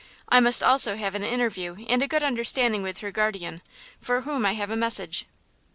I must also have an interview and a good understanding with her guardian, for whom I have a message."